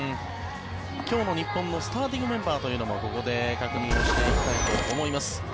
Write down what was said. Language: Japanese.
今日の日本のスターティングメンバーもここで確認していきたいと思います。